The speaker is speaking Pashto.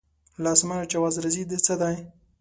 له اسمانه چې اواز راځي د څه دی.